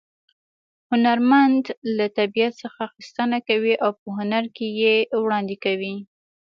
هنرمن له طبیعت څخه اخیستنه کوي او په هنر کې یې وړاندې کوي